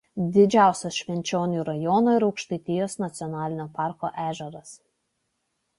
Didžiausias Švenčionių rajono ir Aukštaitijos nacionalinio parko ežeras.